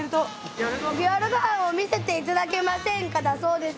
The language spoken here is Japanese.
夜ごはんを見せていただけませんかだそうです